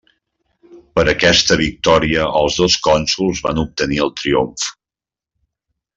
Per aquesta victòria els dos cònsols van obtenir el triomf.